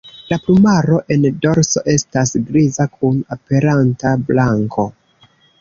La plumaro en dorso estas griza kun aperanta blanko.